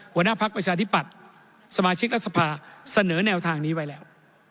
หัวหน้าพักประชาธิปัตย์สมาชิกรัฐสภาเสนอแนวทางนี้ไว้แล้ว